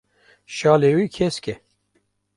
şalê wî kesk e.